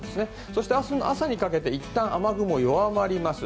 そして明日の朝にかけていったん雨雲弱まります。